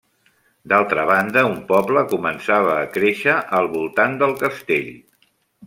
D'altra banda, un poble començava a créixer al voltant del castell.